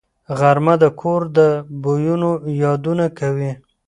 غرمه د کور د بویونو یادونه کوي